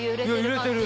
揺れてる。